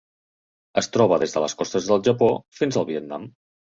Es troba des de les costes del Japó fins al Vietnam.